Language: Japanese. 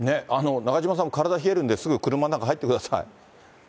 中島さん、体冷えるんですぐ車の中入ってください。